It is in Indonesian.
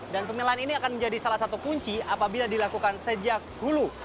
dan pemilahan ini akan menjadi salah satu kunci apabila dilakukan sejak dulu